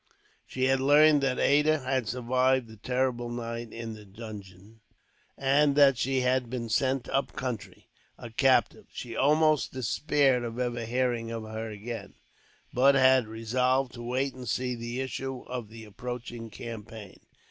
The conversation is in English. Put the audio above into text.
She had learned that Ada had survived the terrible night in the dungeon, and that she had been sent up country, a captive. She almost despaired of ever hearing of her again, but had resolved to wait to see the issue of the approaching campaign.